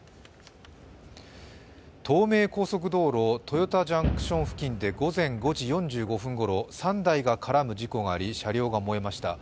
東名高速道路・豊田ジャンクション付近で午前５時４５分ごろ３台が絡む事故があり車両が燃えました。